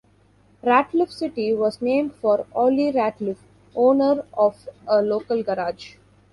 Ratliff City was named for Ollie Ratliff, owner of a local garage.